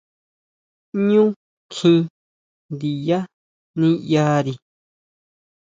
ʼÑu kjín ndiyá niʼyari.